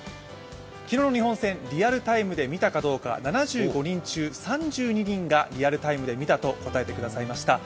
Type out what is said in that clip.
昨日の日本戦、リアルタイムで見たかどうか７５人中３２人がリアルタイムで見たと答えてくださいました。